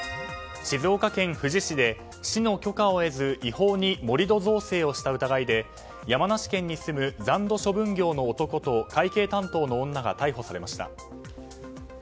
静岡県富士市で市の許可を得ず違法に盛り土造成をした疑いで山梨県に住む残土処分業の男と会計担当の女が逮捕されました。